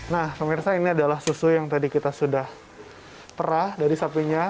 nah pemirsa ini adalah susu yang tadi kita sudah perah dari sapinya